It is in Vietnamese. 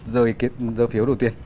dơ phiếu đầu tiên